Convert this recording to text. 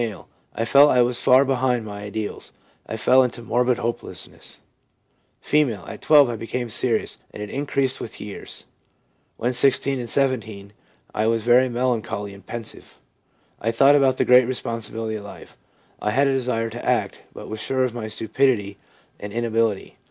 I felt I was far behind my ideals. I fell into morbid hopelessness/ F. 'At 12 I became serious, and it increased with years. When 1 6 and 17 I was very melancholy and pensive. I thought about the great responsibility of life. I had a desire to act, but was sure of my stupidity and in ability.